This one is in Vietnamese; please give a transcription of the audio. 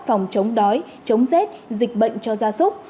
chống đói chống z dịch bệnh cho gia súc